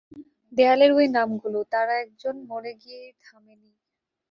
দেয়ালের ঐ নামগুলো, তারা একজন মরে গিয়েই থামেনি।